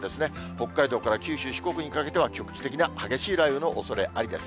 北海道から九州、四国にかけては局地的な激しい雷雨のおそれありです。